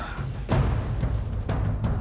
jaga dewa batara